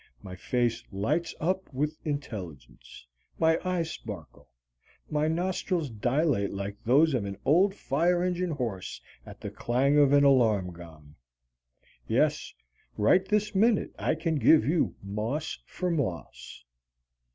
My face lights up with intelligence. My eyes sparkle. My nostrils dilate like those of an old fire engine horse at the clang of an alarm gong. Yes, right this minute I can give you moss for moss.